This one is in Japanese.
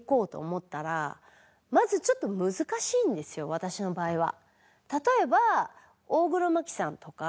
私の場合は。